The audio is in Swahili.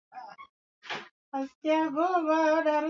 Harufu hii hainipendezi.